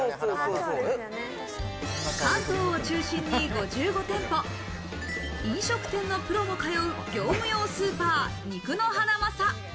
関東を中心に５５店舗、飲食店のプロも通う業務用スーパー、肉のハナマサ。